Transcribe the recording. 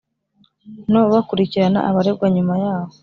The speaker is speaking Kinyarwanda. no bakurikirana abaregwa nyuma yaho.